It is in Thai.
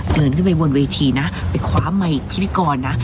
เดินขึ้นไปบนเวทีนะไปคว้าไมค์พิธีกรนะ